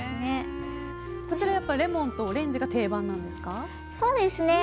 こちら、レモンとオレンジが定番なんですか？